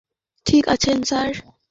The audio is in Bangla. আপনি ঠিক আছেন, স্যার?